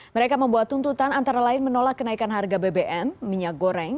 mereka membuat tuntutan antara lain menolak kenaikan harga bbm minyak goreng